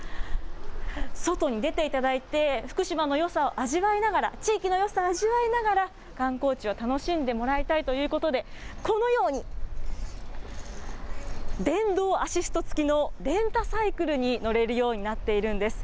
外に出ていただいて、福島のよさを味わいながら、地域のよさを味わいながら、観光地を楽しんでもらいたいということで、このように電動アシスト付きのレンタサイクルに乗れるようになっているんです。